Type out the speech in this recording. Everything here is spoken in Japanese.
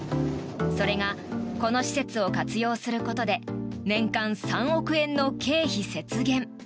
それがこの施設を活用することで年間３億円の経費節減。